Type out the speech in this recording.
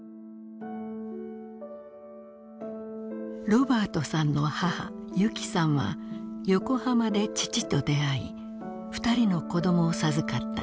ロバァトさんの母ゆきさんは横浜で父と出会い２人の子どもを授かった。